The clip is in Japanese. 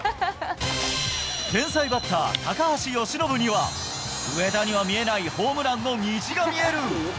天才バッター、高橋由伸には、上田には見えないホームランの虹が見える。